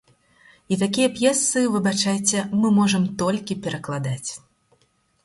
І такія п'есы, выбачайце, мы можам толькі перакладаць.